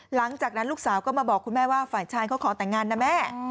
หลังจากนั้นลูกสาวก็มาบอกคุณแม่ว่าฝ่ายชายเขาขอแต่งงานนะแม่